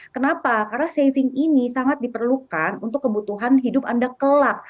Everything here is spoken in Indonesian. kenapa karena saving ini sangat diperlukan untuk kebutuhan hidup anda kelak